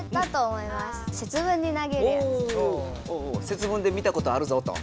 節分で見たことあるぞと。